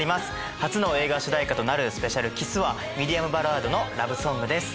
初の映画主題歌となる『ＳｐｅｃｉａｌＫｉｓｓ』はミディアムバラードのラブソングです。